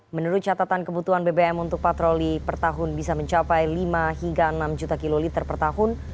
menurut catatan kebutuhan bbm untuk patroli per tahun bisa mencapai lima hingga enam juta kiloliter per tahun